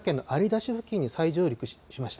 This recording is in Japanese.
市付近に再上陸しました。